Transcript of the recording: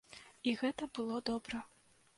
І гэта было добра.